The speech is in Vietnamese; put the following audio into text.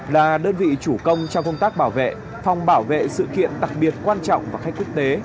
là đơn vị chủ công trong công tác bảo vệ phòng bảo vệ sự kiện đặc biệt quan trọng và khách quốc tế